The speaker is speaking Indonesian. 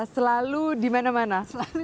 selalu di mana mana